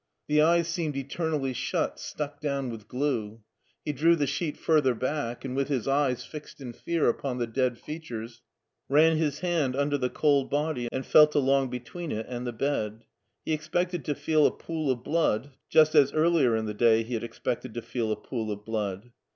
The eyes seemed eternally shut, stuck down with glue. He drew the sheet further back, and with his eyes fixed in fear upon the dead features ran his hand under the cold body and felt along between it and the bed. He expected to feel a pool of blood, just as earlier in the day he had ex pected to feel a pool of blood.